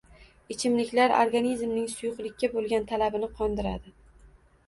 Ichimliklar organizmning suyuqlikka bo‘lgan talabini qondiradi